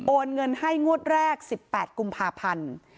เงินให้งวดแรก๑๘กุมภาพันธ์